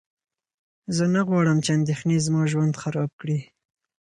زه نه غواړم چې اندېښنې زما ژوند خراب کړي.